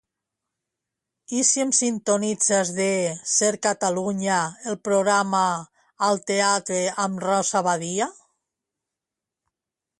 I si em sintonitzes de "Ser Catalunya" el programa "Al teatre amb Rosa Badia"?